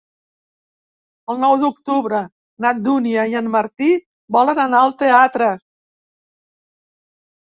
El nou d'octubre na Dúnia i en Martí volen anar al teatre.